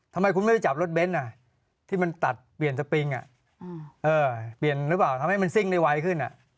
ทำไมคุณไม่ไปจับรถเบนท์ที่มันตัดเปลี่ยนสปริงเปลี่ยนหรือเปล่าทำให้มันซิ่งได้ไวขึ้น